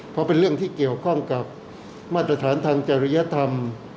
เพราะเป็นเรื่องที่เกี่ยวข้องกับมาตรฐานทางจริยธรรม